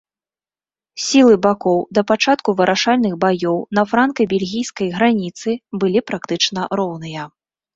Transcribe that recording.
Сілы бакоў да пачатку вырашальных баёў на франка-бельгійскай граніцы былі практычна роўныя.